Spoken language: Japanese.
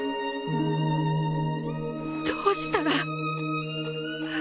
どうしたら。